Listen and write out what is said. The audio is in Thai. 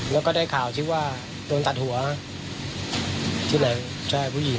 แล้วก็ได้ข่าวที่ว่าโดนตัดหัวชื่ออะไรใช่ผู้หญิง